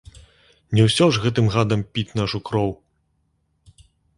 Не ўсё ж гэтым гадам піць нашу кроў!